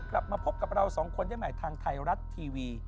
กลับมาพบกับเราสองคนได้ใหม่ทางไทยรัฐทีวี